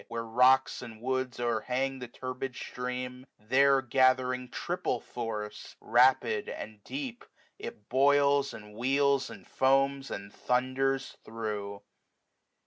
Where rocks and woods o'crhang the turbid stream ; There gathering triple force, rapid, and deep, 104 It boils, and wheels, and foams, and thunders through.